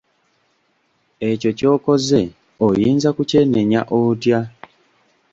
Ekyo ky'okoze oyinza kukyenenya otya?